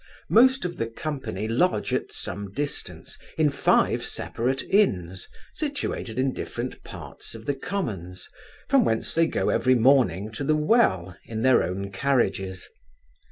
Most of the company lodge at some distance, in five separate inns, situated in different parts of the commons, from whence they go every morning to the well, in their own carriages.